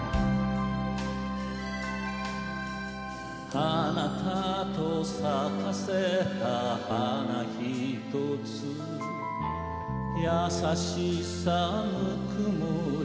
あなたと咲かせた花ひとつ優しさぬくもり